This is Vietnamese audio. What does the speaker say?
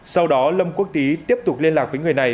sau đó lâm quốc tý tiếp tục liên lạc với người này